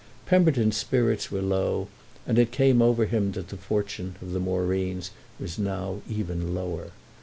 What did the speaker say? Pemberton's spirits were low, and it came over him that the fortune of the Moreens was now even lower.